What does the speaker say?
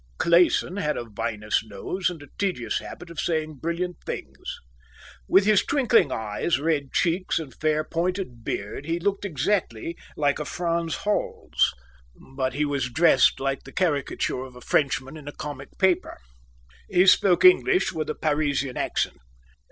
Clayson had a vinous nose and a tedious habit of saying brilliant things. With his twinkling eyes, red cheeks, and fair, pointed beard, he looked exactly like a Franz Hals; but he was dressed like the caricature of a Frenchman in a comic paper. He spoke English with a Parisian accent.